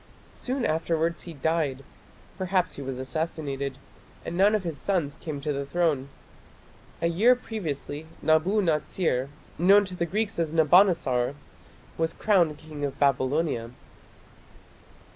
Soon afterwards he died perhaps he was assassinated and none of his sons came to the throne. A year previously Nabu natsir, known to the Greeks as Nabonassar, was crowned king of Babylonia.